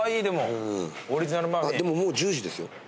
でももう１０時ですよ。